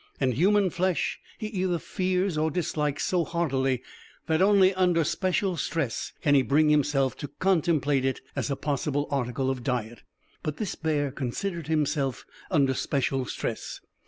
And human flesh he either fears or dislikes so heartily that only under special stress can he bring himself to contemplate it as a possible article of diet. But this bear considered himself under special stress.